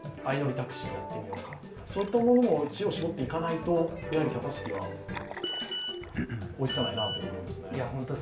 タクシーやってみようかそういったものも知恵を絞っていかないとやはりキャパシティは追いつかないという気がしますね。